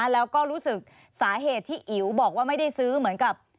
แล้วก็รู้สึกสาเหตุที่อิ๋วบอกว่าไม่ได้ซื้อเหมือนกับ